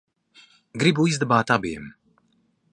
Gribu izdabāt abiem.